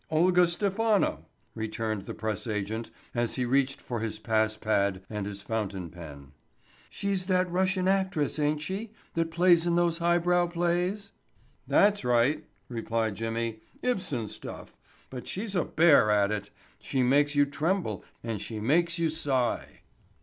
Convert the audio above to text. "Olga Stephano," returned the press agent as he reached for his pass pad and his fountain pen. "She's that Russian actress, ain't she, that plays in those highbrow plays?" "That's right," replied Jimmy. "Ibsen stuff, but she's a bear at it. She makes you tremble and she makes you sigh."